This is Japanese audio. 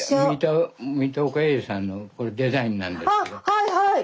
はいはい！